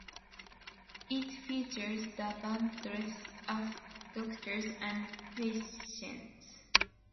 It features the band dressed as doctors and patients.